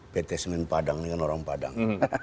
pt semin padang dengan orang padang